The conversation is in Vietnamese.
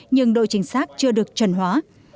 nhưng độ chính xác chưa được trần hóa